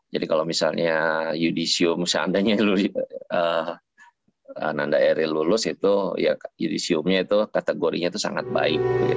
jadi kalau misalnya yudisium seandainya nanda eril lulus itu yudisiumnya itu kategorinya itu sangat baik